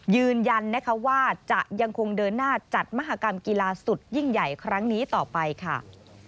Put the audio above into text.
ยืนยันนะคะว่าจะยังคงเดินหน้าจัดมหากรรมกีฬาสุดยิ่งใหญ่ครั้งนี้ต่อไปค่ะ